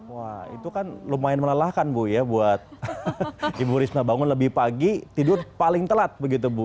wah itu kan lumayan melelahkan bu ya buat ibu risma bangun lebih pagi tidur paling telat begitu bu